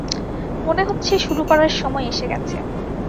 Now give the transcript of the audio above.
মনে হচ্ছে শুরু করার সময় এসে গেছে।